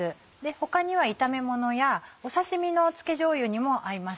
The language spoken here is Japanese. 他には炒めものや刺し身の付けじょうゆにも合います。